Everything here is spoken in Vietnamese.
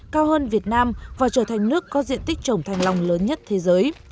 cao hơn việt nam và trở thành nước có diện tích trồng thanh long lớn nhất thế giới